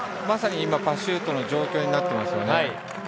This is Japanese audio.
まさに今、パシュートの状況になっていますよね。